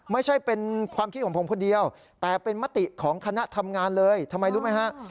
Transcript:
ไม่ใช่เป็นความคิดของผมคนเดียวแต่เป็นมติของคณะทำงานเลยทำไมรู้ไหมฮะ